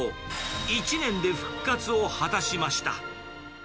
１年で復活を果たしました。